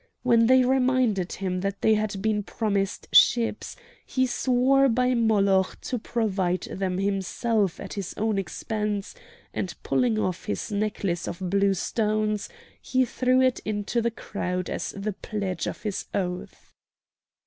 When they reminded him that they had been promised ships, he swore by Moloch to provide them himself at his own expense, and pulling off his necklace of blue stones he threw it into the crowd as the pledge of his oath.